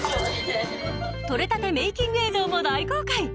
撮れたてメイキング映像も大公開！